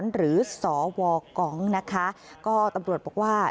หรือสวกองนะคะก็ตำรวจบอกว่า